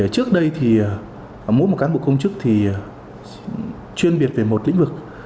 trước đây mỗi cán bộ công chức chuyên biệt về một lĩnh vực